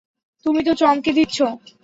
তুমি তো চমকে দিচ্ছ।